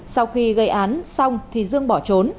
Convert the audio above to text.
sau khi gây án xong thì dương bỏ trốn